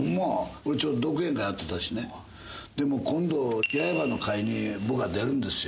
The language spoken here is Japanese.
俺ちょっと独演会やってたしね、でも今度、八ゑ馬の会に僕が出るんですよ。